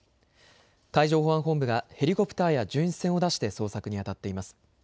海上保安本部がヘリコプターや巡視船を出して捜索にあたっています。